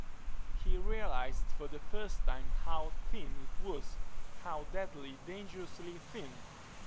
He realized for the first time how thin it was how deadly, dangerously thin.